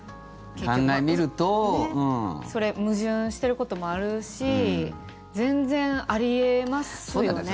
矛盾してることもあるし全然あり得ますよね。